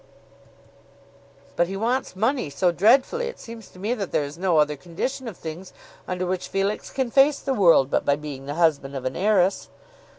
"But he wants money so dreadfully! It seems to me that there is no other condition of things under which Felix can face the world, but by being the husband of an heiress."